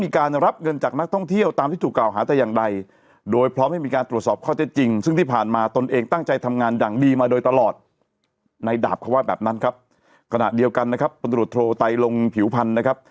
ขณะเดียวกันนะครับพลตรวจโทไตลงผิวพันธ์นะครับ